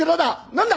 「何だ！」。